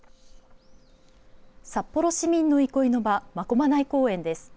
札幌市民の憩いの場真駒内公園です。